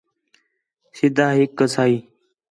سدھا ہِک کسائی